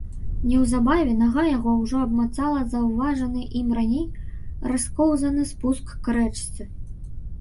Неўзабаве нага яго ўжо абмацала заўважаны ім раней раскоўзаны спуск к рэчцы.